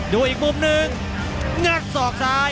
ดูอีกมุมหนึ่งงักศอกซ้าย